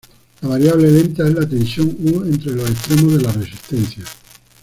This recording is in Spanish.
La variable lenta es la tensión U entre los extremos de la resistencia.